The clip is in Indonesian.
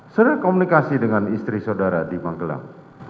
sudah komunikasi dengan istri saudara di magelang